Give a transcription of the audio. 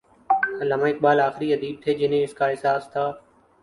علامہ اقبال آخری ادیب تھے جنہیں اس کا احساس تھا۔